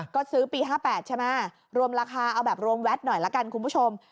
ก็ซื้อปี๕๘ใช่ไหมรวมราคาเอาแบบรวมแวดหน่อยละกันคุณผู้ชม